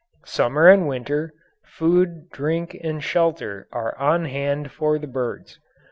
Summer and winter, food, drink, and shelter are on hand for the birds.